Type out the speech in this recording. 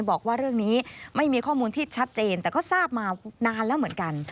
บอกว่าเรื่องนี้ไม่มีข้อมูลที่ชัดเจนแต่ก็ทราบมานานแล้วเหมือนกัน